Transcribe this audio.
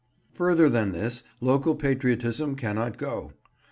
Further than this, local patriotism cannot go.